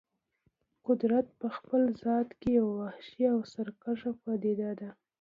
قدرت په خپل ذات کې یوه وحشي او سرکشه پدیده ده.